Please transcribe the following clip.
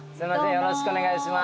よろしくお願いします。